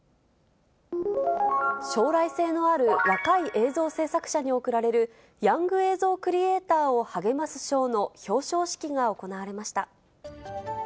将来性のある若い映像制作者に贈られる、ヤング映像クリエーターを励ます賞の表彰式が行われました。